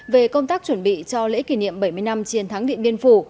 về công tác chuẩn bị cho lễ kỷ niệm bảy mươi năm chiến thắng điện biên phủ